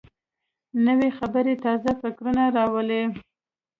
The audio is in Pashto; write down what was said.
نوې خبرې تازه فکرونه راوړي